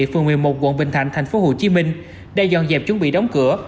phường một mươi một quận bình thạnh thành phố hồ chí minh đã dọn dẹp chuẩn bị đóng cửa